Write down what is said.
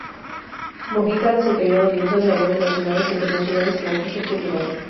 Mojica ha desempeñado diversas labores nacionales e internacionales como gestor cultural.